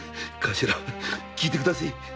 聞いてください。